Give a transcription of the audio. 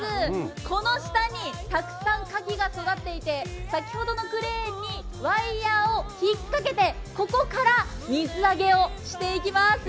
この下にたくさんかきが育っていて、先ほどのクレーンにワイヤーを引っかけてここから水揚げをしていきます。